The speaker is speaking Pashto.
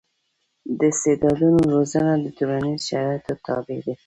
د استعدادونو روزنه د ټولنیزو شرایطو تابع ده.